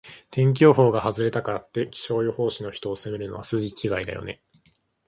天気予報が外れたからって、気象予報士の人を責めるのは筋違いだよね。